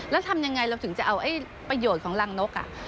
แล้วทำยังไงเราถึงจะเอาประโยชน์ของรังนก